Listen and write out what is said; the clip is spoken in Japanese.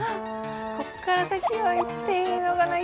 こっから先に行っていいのかな